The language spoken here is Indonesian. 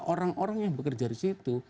orang orang yang bekerja di situ